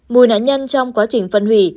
mùi nạn nhân trong quá trình phân hủy